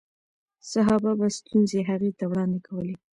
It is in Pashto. صحابه به ستونزې هغې ته وړاندې کولې.